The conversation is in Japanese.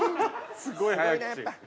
◆すごい早口。